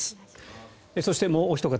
そして、もうおひと方。